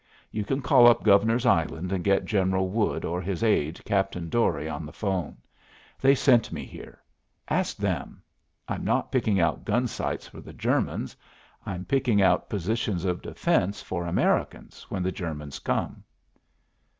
"You can call up Governor's Island and get General Wood or his aide, Captain Dorey, on the phone. They sent me here. Ask them. I'm not picking out gun sites for the Germans; I'm picking out positions of defense for Americans when the Germans come!"